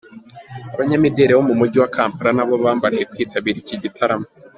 Abanyamideri bo mu mujyi wa Kampala nabo bambariye kwitabira iki gitaramo.